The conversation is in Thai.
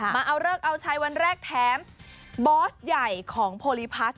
มาเอาเลิกเอาชัยวันแรกแถมบอสใหญ่ของโพลิพัฒน์